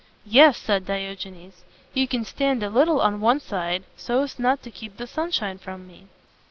"Yes," said Diogenes. "You can stand a little on one side, so as not to keep the sunshine from me."